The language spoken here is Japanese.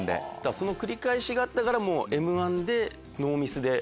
その繰り返しがあったから『Ｍ−１』でノーミスで。